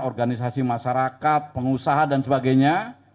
organisasi masyarakat pengusaha dan sebagainya